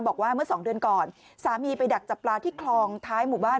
บอกว่าเมื่อสองเดือนก่อนสามีไปดักจับปลาที่คลองท้ายหมู่บ้าน